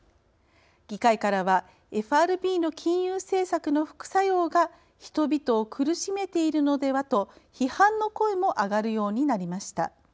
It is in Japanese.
議会からはＦＲＢの金融政策の副作用が人々を苦しめているのでは？と批判の声も上がるようになりました。